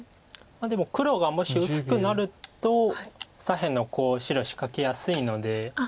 でも黒がもし薄くなると左辺のコウを白仕掛けやすいので。